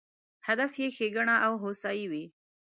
هدف یې ښېګڼه او هوسایي وي.